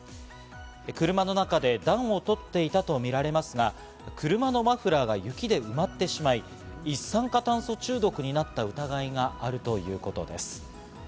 車の中で暖を取っていたとみられますが、車のマフラーが雪で埋まってしまい、一酸化炭素中毒となった疑いがあるということです。